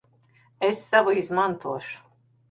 Es savu izmantošu.